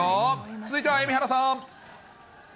続いては蛯原さん。